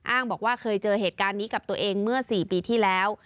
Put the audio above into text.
บอกว่าเคยเจอเหตุการณ์นี้กับตัวเองเมื่อ๔ปีที่แล้ว